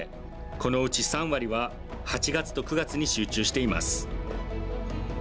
このうち３割は８月と９月に集中しています。